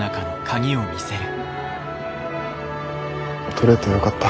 取れてよかった。